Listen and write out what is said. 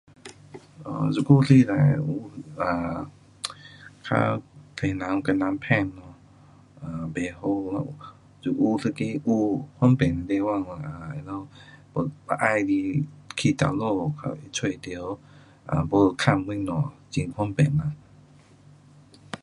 um 这久时代 um um 较多人给人骗咯 um 不好咯，这久一个有方便的地方啦是讲要喜欢去哪里会找到，要问东西很方便呐。